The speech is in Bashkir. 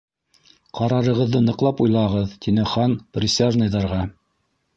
— Ҡарарығыҙҙы ныҡлап уйлағыҙ! —тине Хан присяжный- ҙарға.